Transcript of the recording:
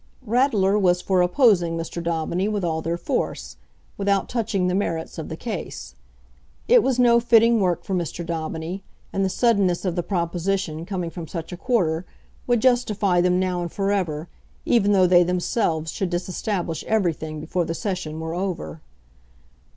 Ratler was for opposing Mr. Daubeny with all their force, without touching the merits of the case. It was no fitting work for Mr. Daubeny, and the suddenness of the proposition coming from such a quarter would justify them now and for ever, even though they themselves should disestablish everything before the Session were over.